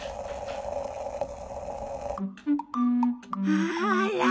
あら！